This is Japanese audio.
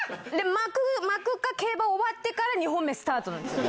巻くか競馬終わってから２本目スタートなんです。